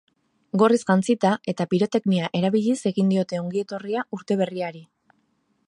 Gorriz jantzita eta piroteknia erabiliz egiten diote ongietorria urte berriari.